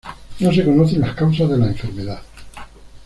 No se conocen las causas de la enfermedad.